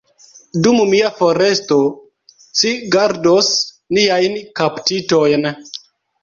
Dum mia foresto, ci gardos niajn kaptitojn.